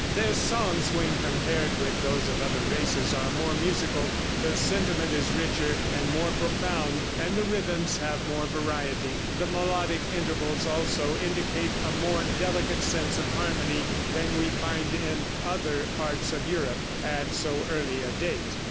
Their songs, when compared with those of other races, are more musical, the sentiment is richer and more profound, and the rhythms have more variety. The melodic intervals, also, indicate a more delicate sense of harmony than we find in other parts of Europe at so early a date.